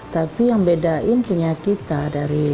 tapi yang bedain punya kita dari